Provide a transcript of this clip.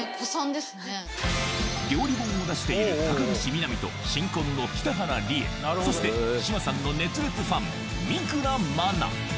料理本を出している高橋みなみと新婚の北原里英そして志麻さんの熱烈ファン三倉茉奈